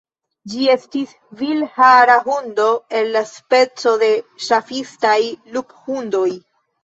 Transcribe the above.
Ĝi estis vilhara hundo el la speco de ŝafistaj luphundoj.